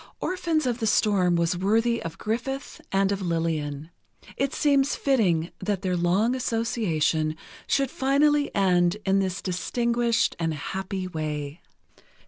"Orphans of the Storm" was worthy of Griffith and of Lillian. It seems fitting that their long association should finally end in this distinguished and happy way.